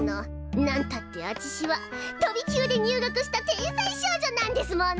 なんたってあちしは飛び級で入学した天才少女なんですもの！